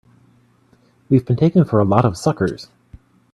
We've been taken for a lot of suckers!